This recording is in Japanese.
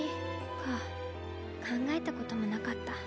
かんがえたこともなかった。